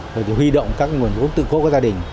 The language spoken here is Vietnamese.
rồi thì huy động các nguồn vốn tự cố của gia đình